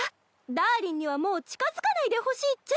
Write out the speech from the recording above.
ダーリンにはもう近づかないでほしいっちゃ。